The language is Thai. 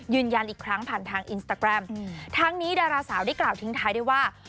ยืนยันอีกครั้งผ่านทางอินสตาแกรมทั้งนี้ดาราสาวได้กล่าวทิ้งท้ายได้ว่า